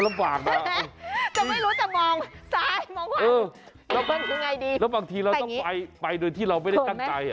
แล้วบางทีเราต้องไปโดยที่เราไม่ได้ตั้งใจ